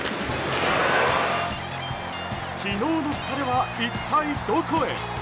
昨日の疲れは一体どこへ。